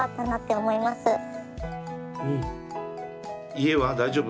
家は大丈夫？